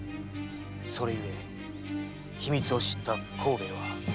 それゆえ秘密を知った幸兵衛は。